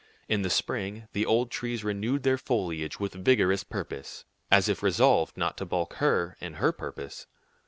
In the spring the old trees renewed their foliage with vigorous purpose, as if resolved not to balk her in her purpose.